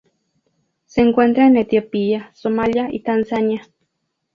Se encuentra en Etiopía, Somalia y Tanzania.